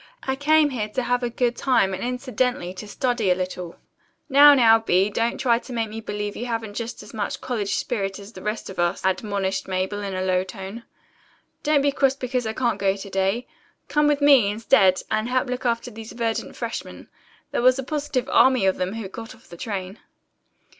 I came here to have a good time, and incidentally to study a little." "Now, now, Bee, don't try to make me believe you haven't just as much college spirit as the rest of us," admonished Mabel in a low tone. "Don't be cross because I can't go to day. Come with me, instead, and help look after these verdant freshmen. There was a positive army of them who got off the train."